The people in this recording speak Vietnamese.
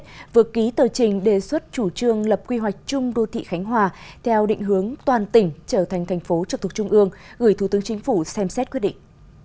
hội trình đề xuất chủ trương lập quy hoạch chung đô thị khánh hòa theo định hướng toàn tỉnh trở thành thành phố trực thuộc trung ương gửi thủ tướng chính phủ xem xét quyết định